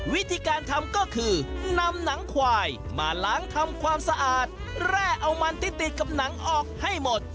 วิธีการทำก็คือนำหนังควายมาล้างทำความสะอาดแร่เอามันที่ติดกับหนังออกให้หมด